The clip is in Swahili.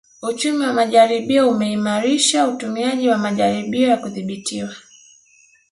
Uchumi wa majaribio umeimarisha utumiaji wa majaribio ya kudhibitiwa